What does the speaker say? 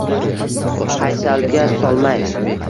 Paysalga solmay.